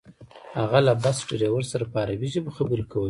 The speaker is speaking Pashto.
هغه له بس ډریور سره په عربي ژبه خبرې کولې.